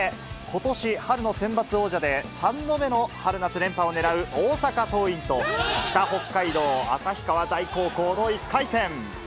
ことし春のセンバツ王者で３度目の春夏連覇を狙う大阪桐蔭と、北北海道・旭川大高校の１回戦。